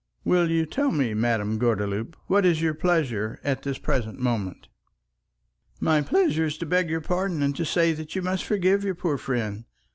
Will you tell me, Madame Gordeloup, what is your pleasure at the present moment?" "My pleasure is to beg your pardon and to say you must forgive your poor friend.